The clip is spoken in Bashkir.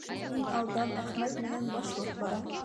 Иң алдан Әхмәт менән башлыҡ бара.